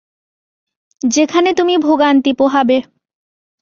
যেখানে তুমি ভোগান্তি পোহাবে।